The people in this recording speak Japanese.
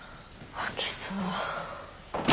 吐きそう。